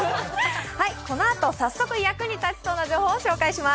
このあと早速役に立ちそうな情報を紹介します。